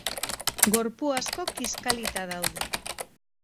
Gorpu asko kiskalita daude.